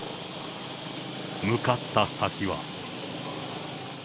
向かった先は。